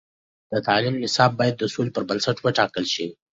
د تعلیم نصاب باید د سولې پر بنسټ وټاکل شي.